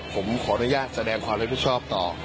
ผมขออนุญาตแสดงความรับผิดชอบต่อ